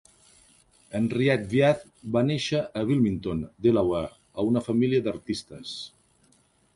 Henriette Wyeth va néixer a Wilmington, Delaware, a una família d'artistes.